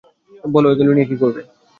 বলো ওগুলো নিয়ে কী করবো?